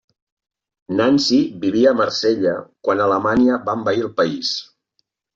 Nancy vivia a Marsella quan Alemanya va envair el país.